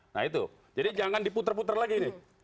nah itu jadi jangan diputer puter lagi nih